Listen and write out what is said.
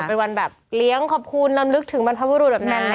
เป็นวันแบบเลี้ยงขอบคุณลำลึกถึงบรรพบุรุษแบบนั้น